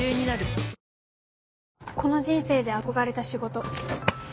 この人生で憧れた仕事。